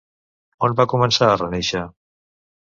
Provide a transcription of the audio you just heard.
On va començar a renéixer?